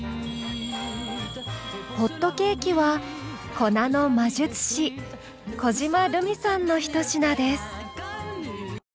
ホットケーキは粉の魔術師小嶋ルミさんのひと品です。